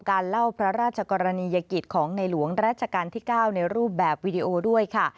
เล่าพระราชกรณียกิจของในหลวงราชการที่๙ในรูปแบบวีดีโอด้วยค่ะ